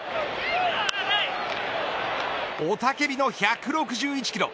雄たけびの１６１キロ。